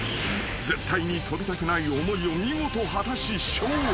［絶対に跳びたくない思いを見事果たし勝利］